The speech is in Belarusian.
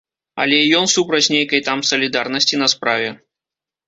Але і ён супраць нейкай там салідарнасці на справе.